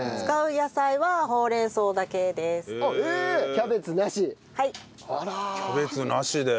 キャベツなしで。